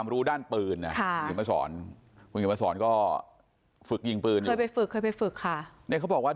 คนเกาะเหตุที่ใช้ซึ่งเสียชีวิตไปแล้วนะ